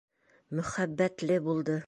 Мөхәббәтле булды.